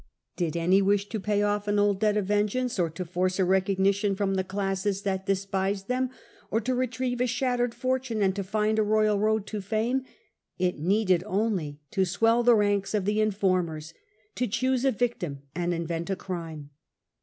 Did any wish to pay off an old debt of vengeance, or to force a recogni tion from the classes that despised them, or to retrieve a shattered fortune and to find a royal road to fame, it needed only to swell the ranks of the informers, to choose a victim and invent a crime.